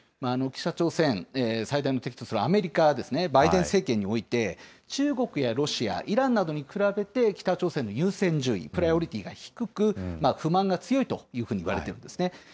北朝鮮、最大の敵とするアメリカですね、バイデン政権において、中国やロシア、イランなどに比べて北朝鮮の優先順位、プライオリティーが低く、不満が強いというふうにいわれているんですね。